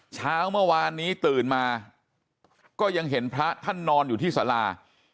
เช้าเมื่อวานนี้ตื่นมาก็ยังเห็นพระท่านนอนอยู่ที่สารา